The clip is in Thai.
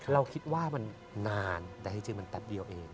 เราคิดว่ามันนานแต่จริงมันแป๊บเดียวเอง